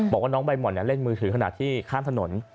บอกว่าน้องใบห่อนเล่นมือถือขณะที่ข้ามถนน